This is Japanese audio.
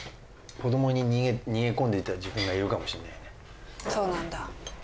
子どもに逃げ込んでた自分がいるかもしんないねそうなんだ